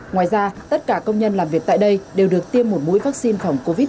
ngoài ra tất cả công nhân làm việc tại đây đều được tiêm một mũi vaccine phòng covid một mươi chín